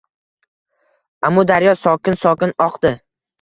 Amudaryo sokin-sokin oqdi.